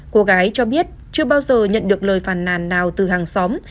cô gái cho biết chưa bao giờ nhận được lời phản nàn nào từ hàng xóm